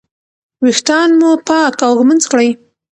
ویښتان مو پاک او ږمنځ کړئ.